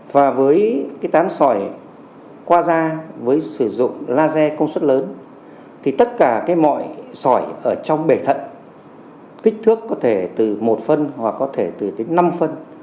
và với cái tán sỏi qua da với sử dụng laser công suất lớn thì tất cả cái mọi sỏi ở trong bể thận kích thước có thể từ một phân hoặc có thể từ đến năm phân